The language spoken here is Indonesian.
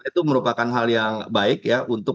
itu merupakan hal yang baik ya untuk